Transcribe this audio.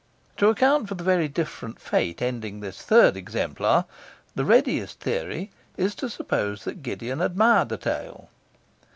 To account for the very different fate attending this third exemplar, the readiest theory is to suppose that Gideon admired the tale.